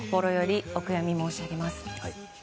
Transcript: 心よりお悔やみ申し上げます。